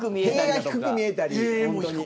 塀が低く見えたり。